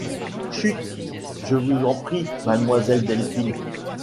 Chut, je vous en prie, mademoiselle Delphine !